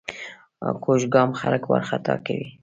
کوږ ګام خلک وارخطا کوي